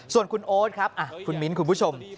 ส่วนคุณโอ๊ตครับคุณมิ้นคุณผู้ชม